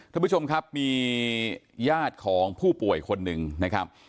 ท่านผู้ชมครับมีญาติของผู้ป่วยคนหนึ่งนะครับ